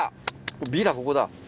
ビラここだ。